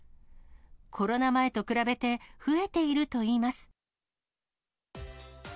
コロナ前と比べて増えているといいます。